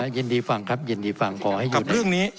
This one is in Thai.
เย็นดีฟังครับเย็นดีฟังขอให้อยู่ในช่วงนี้